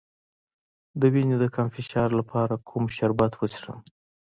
د وینې د کم فشار لپاره کوم شربت وڅښم؟